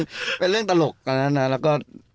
ก็เป็นเรื่องตลกตอนนั้นนะแล้วก็